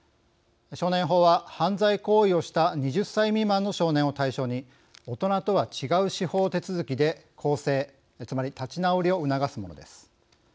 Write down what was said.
少年法は、犯罪行為をした２０歳未満の少年を対象に大人とは違う司法手続きで更生、つまり立ち直りを促すものです。